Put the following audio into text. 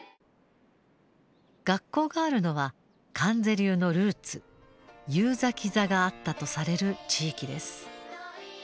学校があるのは観世流のルーツ結崎座があったとされる地域です。